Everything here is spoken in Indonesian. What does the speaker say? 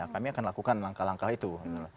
kami akan lakukan langkah langkah itu